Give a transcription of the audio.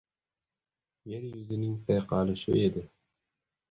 Yer yuzining sayqali shu edi.